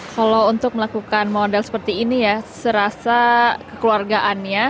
kalau untuk melakukan model seperti ini ya serasa kekeluargaannya